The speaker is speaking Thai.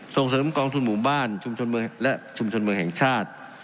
ส่งเสริมกองทุนหมู่บ้านชุมชนเมืองและชุมชนเมืองแห่งชาติ